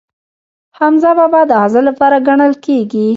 حمزه بابا د غزل پلار ګڼل کیږي.